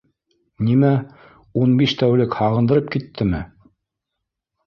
Нимә, ун биш тәүлек һағындырып киттеме?